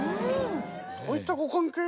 どういったご関係で？